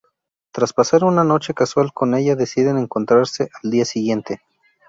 Tras pasar una noche casual con ella deciden encontrarse al día siguiente.